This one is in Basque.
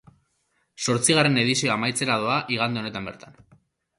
Zortzigarren edizioa amaitzera doa igande honetan bertan.